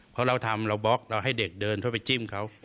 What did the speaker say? เพราะเราทำเราบล็อกเราให้เด็กเดินเข้าไปจิ้มเขา